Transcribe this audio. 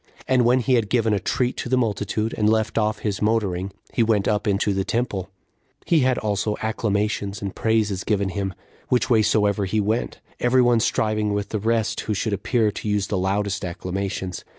And when he had given a treat to the multitude, and left off his motoring, he went up into the temple; he had also acclamations and praises given him, which way soever he went, every one striving with the rest who should appear to use the loudest acclamations.